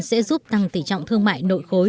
sẽ giúp tăng tỷ trọng thương mại nội khối